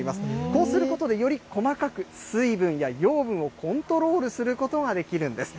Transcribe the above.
こうすることで、より細かく水分や養分をコントロールすることができるんです。